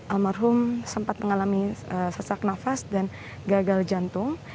almarhum sempat mengalami sesak nafas dan gagal jantung